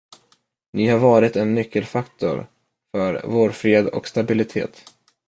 Ni har varit en nyckelfaktor för vår fred och stabilitet.